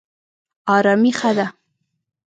ارامي ښه ده.